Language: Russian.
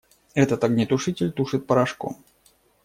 Этот огнетушитель тушит порошком.